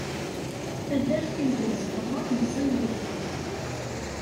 Taddart aydeg zedɣeɣ meẓẓiyet.